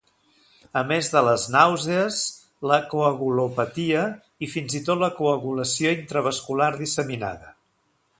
A més de les nàusees, la coagulopatia i, fins-i-tot la coagulació intravascular disseminada.